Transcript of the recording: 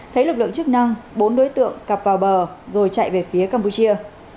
thấy lực lượng chức năng bốn đối tượng cặp vào bờ rồi chạy về phía campuchia